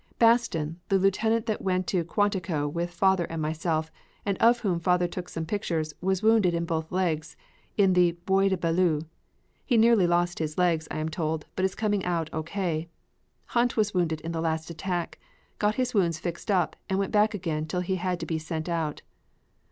Baston, the lieutenant that went to Quantico with father and myself, and of whom father took some pictures, was wounded in both legs in the Bois de Belleau. He nearly lost his legs, I am told, but is coming out O. K. Hunt was wounded in the last attack, got his wounds fixed up and went back again till he had to be sent out.